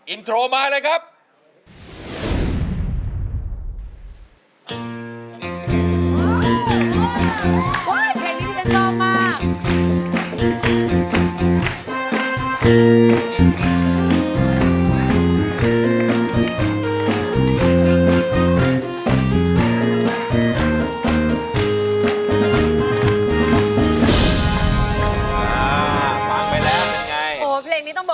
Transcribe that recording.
อินโทรมาเลยครับ